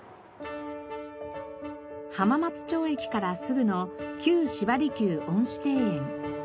浜松町駅からすぐの旧芝離宮恩賜庭園。